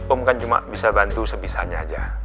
om kan cuma bisa bantu sebisanya aja